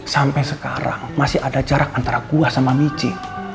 sampai sekarang masih ada jarak antara kuah sama michi